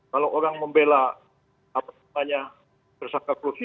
kalau orang membela tersangka korupsi